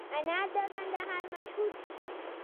انار د کندهار مشهور دي